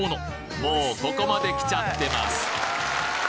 もうここまで来ちゃってます